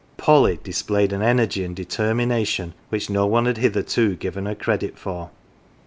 Polly displayed an energy and determination which no one had hitherto given her credit for.